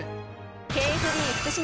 ＫＦＢ福島